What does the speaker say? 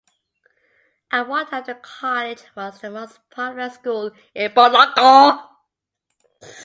At one time the college was the most popular school in Balanga.